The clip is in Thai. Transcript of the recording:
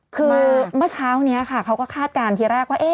คือเมื่อเช้านี้ค่ะเขาก็คาดการณ์ทีแรกว่า